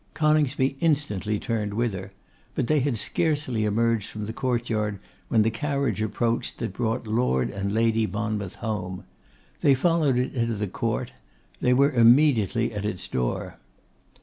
Coningsby instantly turned with her; but they had scarcely emerged from the courtyard when the carriage approached that brought Lord and Lady Monmouth home. They followed it into the court. They were immediately at its door.